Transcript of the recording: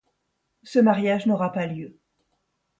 Ce mariage n’aura pas lieu.